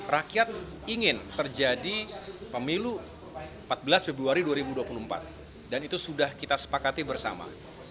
rakyat ingin terjadi pemilu empat belas februari dua ribu dua puluh empat dan itu sudah kita sepakati bersama